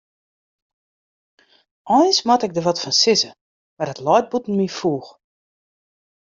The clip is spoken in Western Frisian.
Eins moat ik der wat fan sizze, mar it leit bûten myn foech.